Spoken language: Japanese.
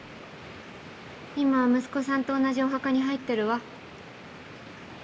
今は息子さんと同じお墓に入ってるわ。